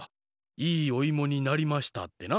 「いいおいもになりました」ってな。